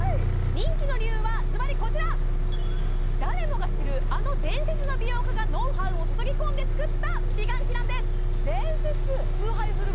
人気の理由はズバリこちら誰もが知るあの伝説の美容家がノウハウを注ぎ込んで作った美顔器なんです伝説？